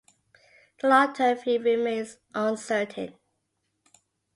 The long-term view remains uncertain.